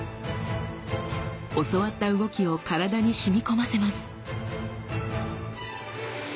教わった動きを体に染み込ませます。